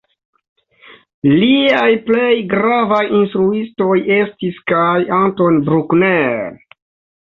Liaj plej gravaj instruistoj estis kaj Anton Bruckner.